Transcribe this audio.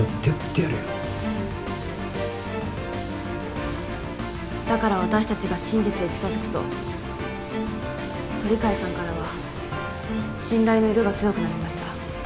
現在だから私たちが真実へ近づくと鳥飼さんからは「信頼」の色が強くなりました。